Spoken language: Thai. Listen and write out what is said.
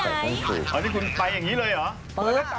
แล้วนี่คุณไปอย่างงี้เลยหรอ